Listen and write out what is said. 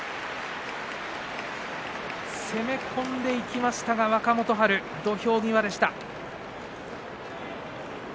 攻め込んでいきましたが若元春土俵際でした。